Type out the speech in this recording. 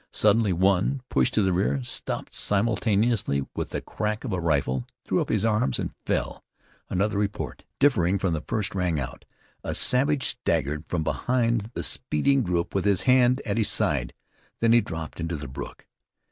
Suddenly one, pushed to the rear, stopped simultaneously with the crack of a rifle, threw up his arms and fell. Another report, differing from the first, rang out. A savage staggered from behind the speeding group with his hand at his side. Then he dropped into the brook.